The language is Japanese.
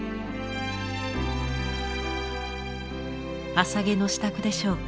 朝げの支度でしょうか。